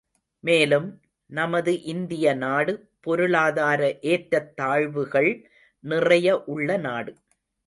மேலும், நமது இந்திய நாடு பொருளாதார ஏற்றத் தாழ்வுகள் நிறைய உள்ள நாடு.